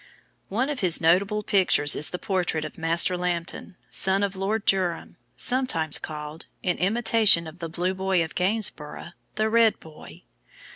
One of his notable pictures is the portrait of Master Lambton, son of Lord Durham, sometimes called, in imitation of the Blue Boy of Gainsborough, the Red Boy.